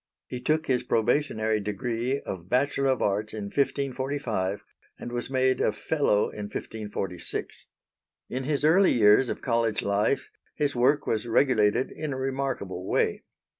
He took his probationary degree of Bachelor of Arts in 1545, and was made a Fellow in 1546. In his early years of College life his work was regulated in a remarkable way.